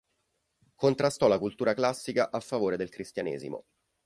Contrastò la cultura classica a favore del Cristianesimo.